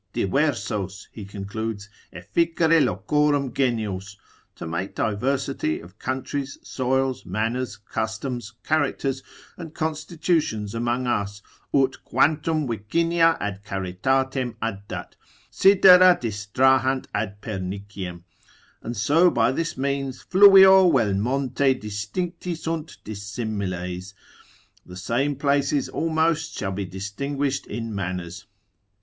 Diversos (he concludes) efficere locorum Genios, to make diversity of countries, soils, manners, customs, characters, and constitutions among us, ut quantum vicinia ad charitatem addat, sidera distrahant ad perniciem, and so by this means fluvio vel monte distincti sunt dissimiles, the same places almost shall be distinguished in manners.